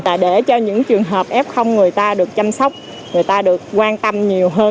là để cho những trường hợp f người ta được chăm sóc người ta được quan tâm nhiều hơn